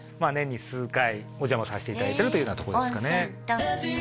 年に数回おじゃまさせていただいてるというようなとこですかね